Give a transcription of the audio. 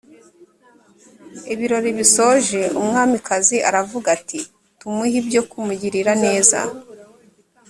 ibirori bisoje umwamikazi aravuga ati tumuhe ibyo kumugirira neza